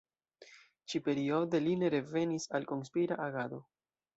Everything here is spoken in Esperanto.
Ĉi-periode li ne revenis al konspira agado.